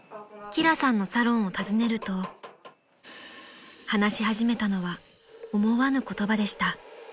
［輝さんのサロンを訪ねると話し始めたのは思わぬ言葉でした］